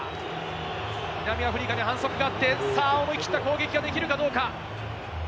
南アフリカに反則があって、さあ、思い切った攻撃ができるかどうか？